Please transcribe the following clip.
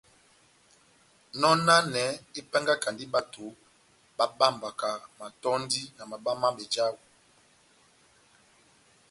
Nɔnanɛ épángakandi bato bábambwakani matɔ́ndi na mabá má bejawɛ.